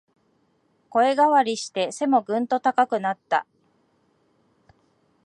声変わりして背もぐんと高くなった